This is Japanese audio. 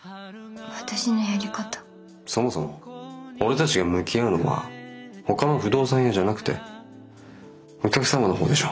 そもそも俺たちが向き合うのはほかの不動産屋じゃなくてお客様の方でしょ。